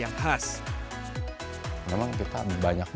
yang kemudian diproses secara digital untuk menghasilkan berbagai penyanyi